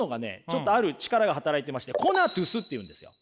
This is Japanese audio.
ちょっとある力が働いてましてコナトゥスっていうんですよ。